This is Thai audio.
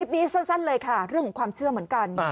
นี้สั้นเลยค่ะเรื่องของความเชื่อเหมือนกัน